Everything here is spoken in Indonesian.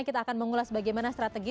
kita akan mengulas bagaimana strategi